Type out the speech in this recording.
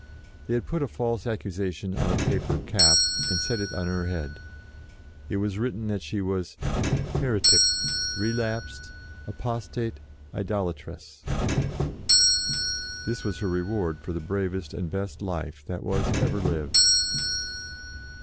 They had put a false accusation on a paper cap, and set it on her head : it was written that she was "Heretic, Relapsed, Apostate, Idola tress." This was her reward for the bravest and best life that was ever lived.